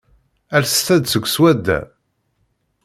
Alset-d seg swadda.